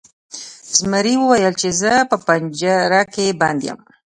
زمري وویل چې زه په پنجره کې بند یم.